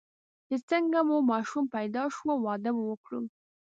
چې څنګه مو ماشوم پیدا شو، واده به وکړو.